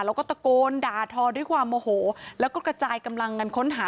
แล้วก็ตะโกนด่าทอด้วยความโมโหแล้วก็กระจายกำลังกันค้นหา